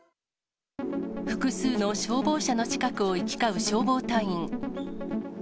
複数の消防車の近くを行き交う消防隊員。